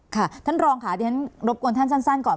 ค่ะท่านรองค่ะเดี๋ยวฉันรบกวนท่านสั้นก่อน